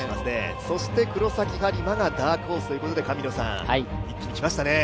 黒崎播磨がダークホースということできましたね。